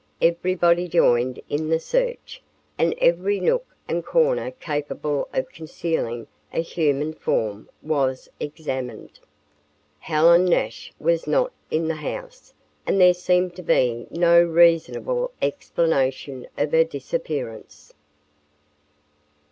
Everybody joined in the search and every nook and corner capable of concealing a human form was examined. Helen Nash was not in the house and there seemed to be no reasonable explanation of her disappearance.